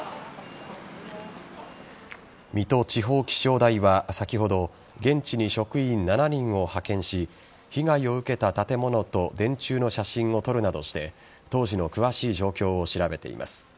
水戸地方気象台は先ほど現地に職員７人を派遣し被害を受けた建物と電柱の写真を撮るなどして当時の詳しい状況を調べています。